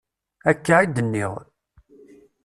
Akka i d-nniɣ.